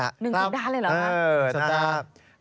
๑สัปดาห์เลยเหรอครับสัปดาห์เออสัปดาห์